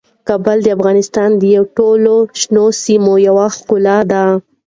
کابل د افغانستان د ټولو شنو سیمو یوه ښکلا ده.